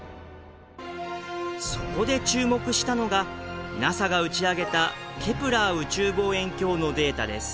そこで注目したのがＮＡＳＡが打ち上げたケプラー宇宙望遠鏡のデータです。